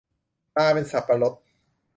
ตาเป็นสับปะรด